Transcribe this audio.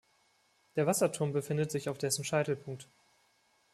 Der Wasserturm befindet sich auf dessen Scheitelpunkt.